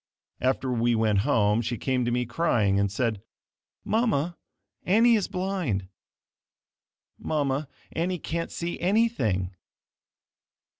After we went home, she came to me crying, and said, "Mama, Annie is blind. Mama, Annie can't see anything.